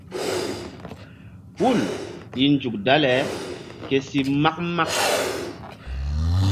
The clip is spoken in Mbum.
Hul i nzuk dale ke si mak mak.